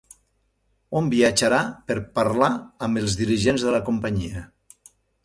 On viatjarà per a parlar amb els dirigents de la companyia?